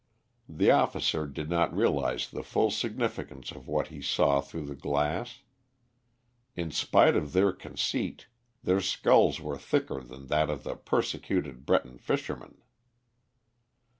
The officer did not realise the full significance of what he saw through the glass. In spite of their conceit, their skulls were thicker than that of the persecuted Breton fisherman.